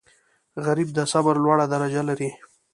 غریب د صبر لوړه درجه لري